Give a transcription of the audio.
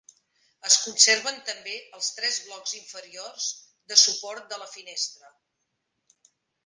Es conserven també els tres blocs inferiors de suport de la finestra.